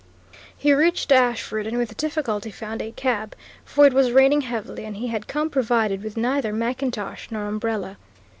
He reached Ashford, and with difficulty found a cab, for it was raining heavily, and he had come provided with neither mackintosh nor umbrella.